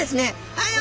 はい！